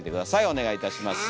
お願いいたします。